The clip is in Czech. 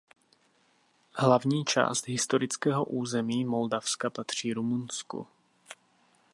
Hlavní část historického území Moldavska patří Rumunsku.